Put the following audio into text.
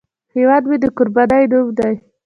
هیواد مې د قربانۍ نوم دی